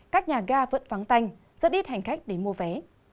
các nhà ga vẫn vắng tanh rất ít hành khách đến mua vé